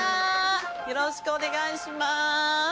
よろしくお願いします。